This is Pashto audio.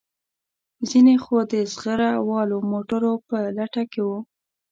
ځینې خو د زغره والو موټرو په لټه کې وو.